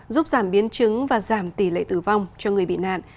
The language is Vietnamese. giúp giảm biến chứng và giảm tỷ lệ tử vong cho người bị nạn